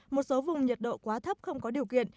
một số vùng nhiệt độ quá thấp không có điều kiện